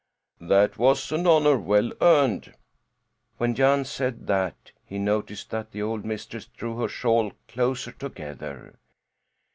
'" "That was an honour well earned." When Jan said that he noticed that the old mistress drew her shawl closer together.